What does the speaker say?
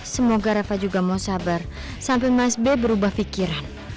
semoga reva juga mau sabar sampai mas b berubah pikiran